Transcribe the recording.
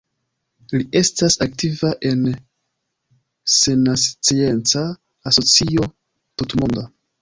Li estas aktiva en Sennacieca Asocio Tutmonda.